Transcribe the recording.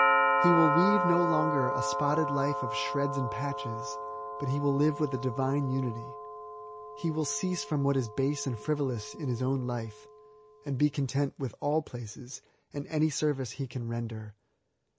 He wiQ weave no longer a spotted life of shreds and patches, but he will live with a divine unity. He will cease from what is base and frivolous in his own life, and be content with all places, and any sorvice he can render.